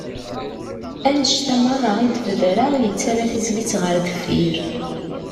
Annenct-a meṛṛa i d-bedreɣ, yettarra tizlit ɣer deffir.